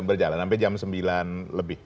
berjalan sampai jam sembilan lebih